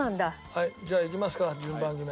はいじゃあいきますか順番決め。